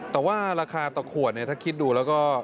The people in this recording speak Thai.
แต่ว่าราคาต่อขวดเนี่ยถ้าคิดดูแล้วก็